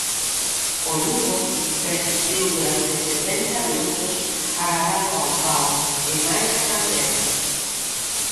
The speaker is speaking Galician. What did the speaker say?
O Lugo resistiu durante setenta minutos agarrado ao pau e máis a Cantero.